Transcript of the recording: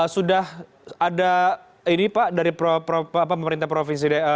sudah ada ini pak dari pemerintah provinsi pemerintah daerah